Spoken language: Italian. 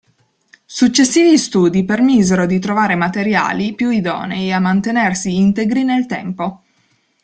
Successivi studi permisero di trovare materiali più idonei a mantenersi integri nel tempo.